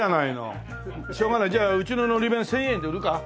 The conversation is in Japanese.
しょうがないじゃあうちののり弁１０００円で売るか？